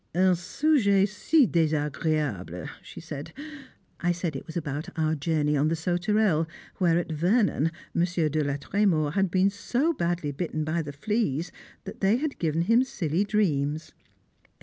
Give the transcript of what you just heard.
"Un sujet si désagréable," she said. I said it was about our journey on the Sauterelle, where, at Vernon, Monsieur de la Trémors had been so badly bitten by the fleas that they had given him silly dreams.